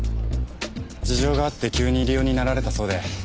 事情があって急に入り用になられたそうで。